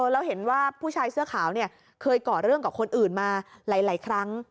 แล้วเห็นว่าผู้ชายเสื้อขาวเนี่ยเคยก่อเรื่องกับคนอื่นมาหลายครั้ง